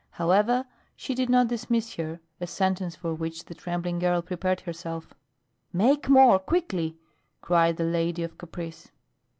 However, she did not dismiss her, a sentence for which the trembling girl prepared herself. "Make more quickly!" cried the lady of caprice.